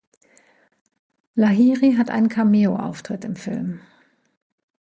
Lahiri hat einen Cameo-Auftritt im Film.